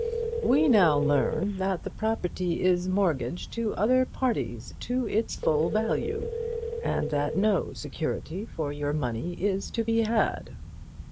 We now learn that the property is mortgaged to other parties to its full value, and that no security for your money is to be had.